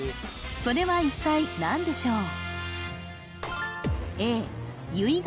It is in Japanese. それは一体何でしょう？